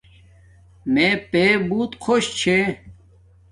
میں پیݵ بوت خوش چھے